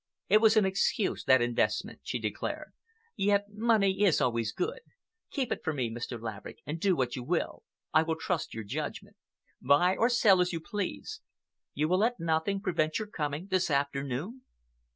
"It was an excuse—that investment," she declared. "Yet money is always good. Keep it for me, Mr. Laverick, and do what you will. I will trust your judgment. Buy or sell as you please. You will let nothing prevent your coming this afternoon?"